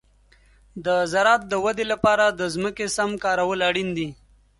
د زراعت د ودې لپاره د ځمکې سم کارول اړین دي.